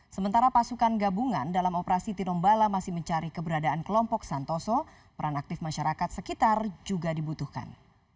sementara pasukan gabungan dalam operasi tinombala masih mencari keberadaan kelompok santoso peran aktif masyarakat sekitar juga dibutuhkan